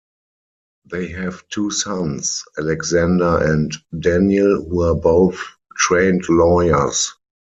They have two sons, Alexander and Daniel, who are both trained lawyers.